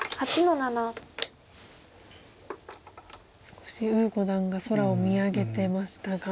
少し呉五段が空を見上げてましたが。